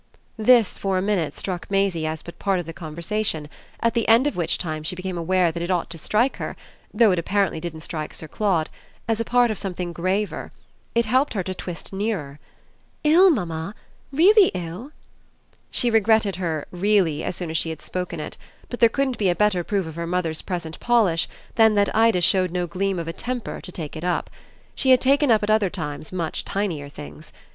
This for a minute struck Maisie as but a part of the conversation; at the end of which time she became aware that it ought to strike her though it apparently didn't strike Sir Claude as a part of something graver. It helped her to twist nearer. "Ill, mamma really ill?" She regretted her "really" as soon as she had spoken it; but there couldn't be a better proof of her mother's present polish than that Ida showed no gleam of a temper to take it up. She had taken up at other times much tinier things.